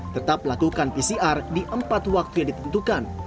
tetap lakukan pcr di empat waktu yang ditentukan